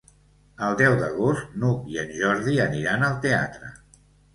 El deu d'agost n'Hug i en Jordi aniran al teatre.